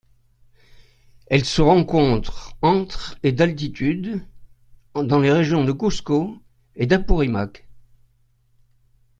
Elle se rencontre entre et d'altitude dans les régions de Cuzco et d'Apurímac.